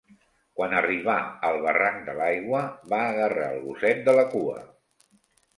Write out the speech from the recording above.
Quan arribà al barranc de l’Aigua, va agarrar el gosset de la cua.